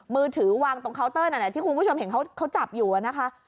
มือถือวางตรงเคาน์เตอร์นั่นแหละที่คุณผู้ชมเห็นเขาจับอยู่นะคะ